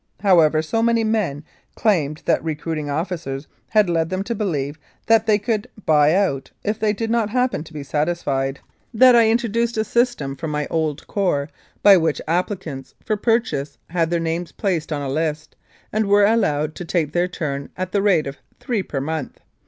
However, so many men claimed that recruiting officers had led them to believe that they could "buy out" if they did not happen to be satisfied, that I introduced a 7 Mounted Police Life in Canada system from my old corps, by which applicants for pur chase had their names placed on a list, and were allowed to take their turn at the rate of three per month.